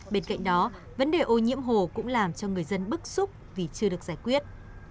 bên cạnh đó vấn đề ô nhiễm hồ cũng làm cho người dân bức xúc vì chưa được giải quyết